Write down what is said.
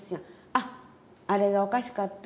あっあれがおかしかったよね。